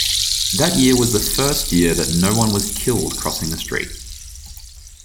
That year was the first year that no one was killed crossing the street.